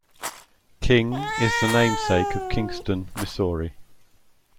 King is the namesake of Kingston, Missouri.